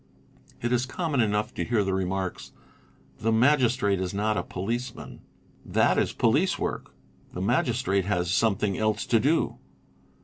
It is common enough to hear the remarks, " The Magistrate is not a policeman"; "'That is police work"; "'The Magistrate has something else to do."